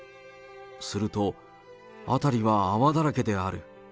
すると、辺りは泡だらけである。